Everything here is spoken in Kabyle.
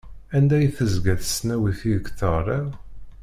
Anda i d-tezga tesnawit ideg teɣriḍ?